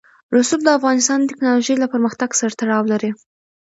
رسوب د افغانستان د تکنالوژۍ له پرمختګ سره تړاو لري.